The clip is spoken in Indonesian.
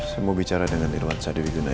saya mau bicara dengan irwansyah di wiguna ya